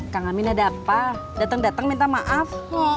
kak amin ada apa dateng dateng minta maaf